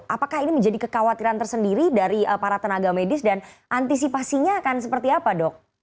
apakah ini menjadi kekhawatiran tersendiri dari para tenaga medis dan antisipasinya akan seperti apa dok